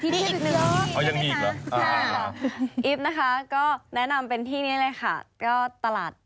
เดี๋ยวอย่าไปยังไม่หมด